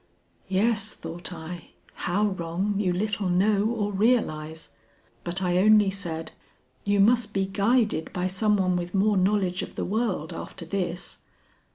"Yes," thought I, "how wrong you little know or realize." But I only said, "You must be guided by some one with more knowledge of the world after this.